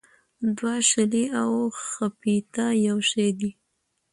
دوه شلې او ښپيته يو شٸ دى